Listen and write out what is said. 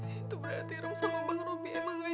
itu berarti rum sama bang robi emang gak jodoh ki